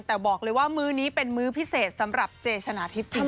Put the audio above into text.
แต่บอกเลยว่ามื้อนี้เป็นมื้อพิเศษสำหรับเจชนะทิพย์จริง